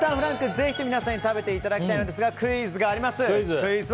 ぜひ皆さんに食べてもらいたいですがクイズがあります。